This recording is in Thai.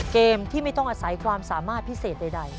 เกมที่ไม่ต้องอาศัยความสามารถพิเศษใด